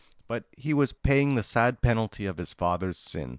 But he was paying the sad penalty of his father's sin.